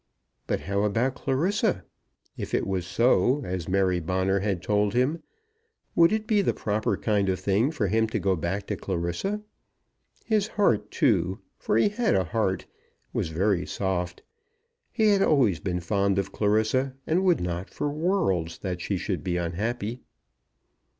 But how about Clarissa? If it was so, as Mary Bonner had told him, would it be the proper kind of thing for him to go back to Clarissa? His heart, too, for he had a heart, was very soft. He had always been fond of Clarissa, and would not, for worlds, that she should be unhappy.